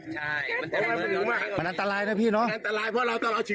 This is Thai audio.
เขาไม่มีสิทธิ์ให้ใครเข้าใกล้